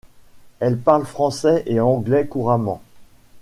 Elle parle français et anglais couramment.